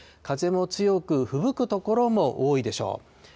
風も強く、ふぶく所も多いでしょう。